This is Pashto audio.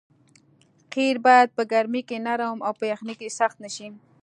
قیر باید په ګرمۍ کې نرم او په یخنۍ کې سخت نه شي